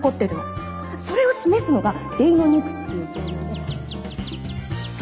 それを示すのがデイノニクスっていう恐竜で。